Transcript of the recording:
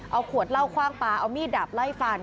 เอาขวดเหล้าคว่างปลาเอามีดดับไล่ฟัน